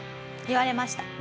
言われました。